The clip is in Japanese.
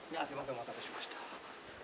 お待たせしました。